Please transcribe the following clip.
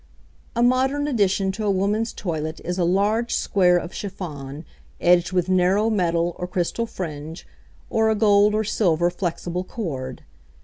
A modern addition to a woman's toilet is a large square of chiffon, edged with narrow metal or crystal fringe, or a gold or silver flexible cord.